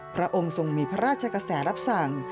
พระองค์ทรงมีพระราชกระแสรับสั่ง